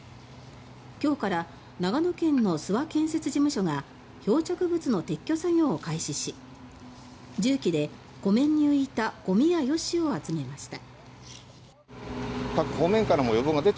今日から長野県の諏訪建設事務所が漂着物の撤去作業を開始し重機で湖面に浮いたゴミやヨシを集めました。